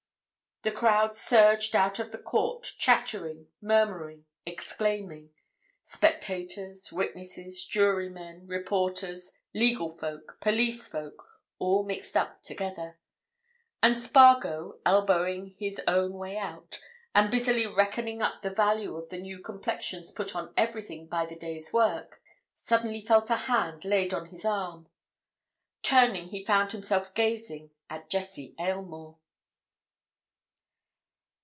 The crowd surged out of the court, chattering, murmuring, exclaiming— spectators, witnesses, jurymen, reporters, legal folk, police folk, all mixed up together. And Spargo, elbowing his own way out, and busily reckoning up the value of the new complexions put on everything by the day's work, suddenly felt a hand laid on his arm. Turning he found himself gazing at Jessie Aylmore.